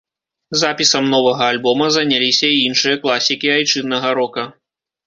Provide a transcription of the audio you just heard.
Запісам новага альбома заняліся і іншыя класікі айчыннага рока.